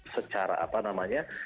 secara apa namanya